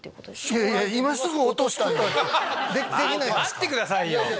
待ってくださいよ。